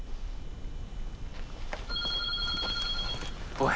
☎・おい！